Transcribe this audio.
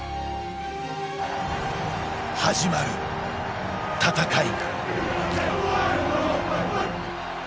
始まる、戦い。